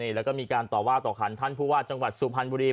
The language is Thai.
แล้วก็มีการต่อว่าต่อคันท่านผู้ว่าจังหวัดสุพรรณบุรี